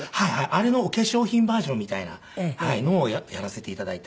あれのお化粧品バージョンみたいなのをやらせて頂いていた。